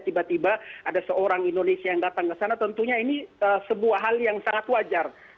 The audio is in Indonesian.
tiba tiba ada seorang indonesia yang datang ke sana tentunya ini sebuah hal yang sangat wajar